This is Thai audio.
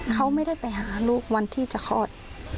เขาไม่ได้ไปหาลูกวันที่จะคลอด